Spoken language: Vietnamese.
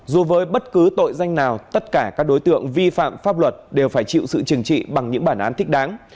dù với bất cứ tội danh nào tất cả các đối tượng vi phạm pháp luật đều phải chịu sự trừng trị bằng những bản án thích đáng